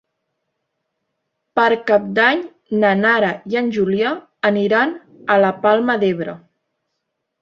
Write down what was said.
Per Cap d'Any na Nara i en Julià aniran a la Palma d'Ebre.